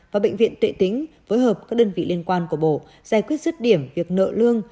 và bệnh viện tuệ tính phối hợp các đơn vị liên quan của bộ giải quyết rứt điểm việc nợ lương